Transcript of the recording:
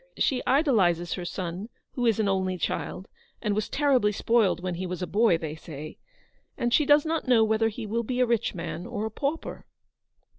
She idolises her son, who is an only child, and was terribly spoiled when he was a boy, they say; and she does not know whether he will be a rich man or a pauper."